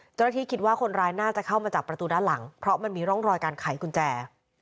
เจ้าหน้าที่คิดว่าคนร้ายน่าจะเข้ามาจากประตูด้านหลังเพราะมันมีร่องรอยการไขกุญแจ